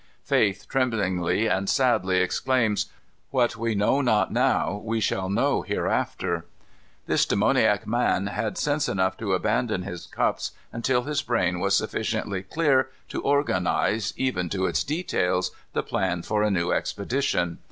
Faith tremblingly and sadly exclaims, "What we know not now we shall know hereafter." This demoniac man had sense enough to abandon his cups, until his brain was sufficiently clear to organize, even to its details, the plan for a new expedition.